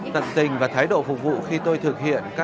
tận tình và thái độ phục vụ khi tôi thực hiện các cái